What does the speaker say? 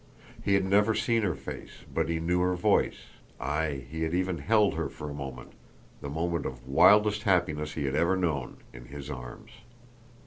He had never seen her face, but he knew her voice ay, he had even held her for a moment, the moment of wildest happiness he had ever known, in his arms.